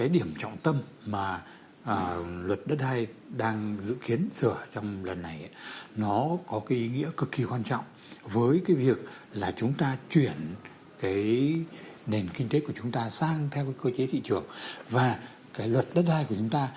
điểm trọng tâm mà luật đất đai đang dự kiến sửa trong lần này có ý nghĩa cực kỳ quan trọng với việc chúng ta chuyển nền kinh tế của chúng ta sang cơ chế thị trường